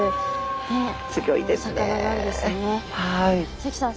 関さん